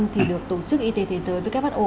thì được tổ chức y tế thế giới với các bác ô